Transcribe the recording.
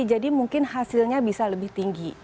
jadi mungkin hasilnya bisa lebih tinggi